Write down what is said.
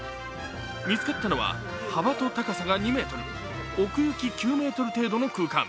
見つかったのは幅と高さが２ｍ奥行き９ｍくらいの空間。